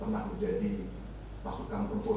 pernah menjadi pasukan tempur